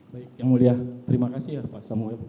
baik yang mulia terima kasih ya pak samuel